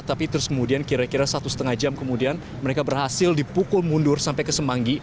tapi terus kemudian kira kira satu setengah jam kemudian mereka berhasil dipukul mundur sampai ke semanggi